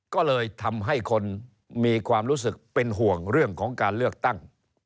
ก็เลยทำให้คนมีความรู้สึกเป็นห่วงเรื่องของการเลือกตั้ง